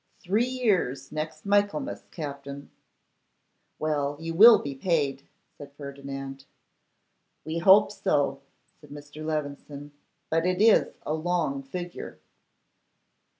three years next Michaelmas, Captin.' 'Well, you will be paid,' said Ferdinand. 'We hope so,' said Mr. Levison; 'but it is a long figure.